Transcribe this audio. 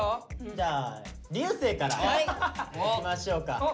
じゃあ流星からいきましょうか。